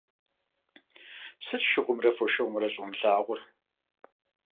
Сыт шыгъумрэ фошыгъумрэ щӀумылъагъур?